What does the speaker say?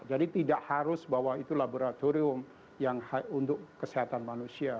jadi tidak harus bahwa itu laboratorium yang untuk kesehatan manusia